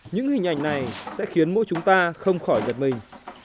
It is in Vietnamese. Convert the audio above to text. những hình ảnh này sẽ khiến mỗi chúng ta không khỏi giật mình